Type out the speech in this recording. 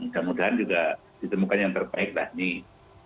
kemudian juga ditemukan yang terbaik lah nih